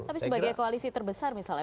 tapi sebagai koalisi terbesar misalnya